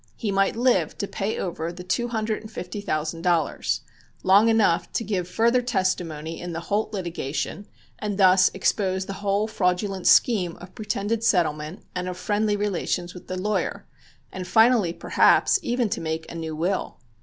He might live to pay over the two hundred and fifty thousand dollars; long enough to give further testimony in the Holt litigation, and thus expose the whole fraudulent scheme of pretended settlement and of friendly relations with the lawyer, and finally, perhaps, even to make a new will.